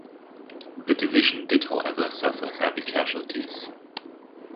The division did however suffer heavy casualties.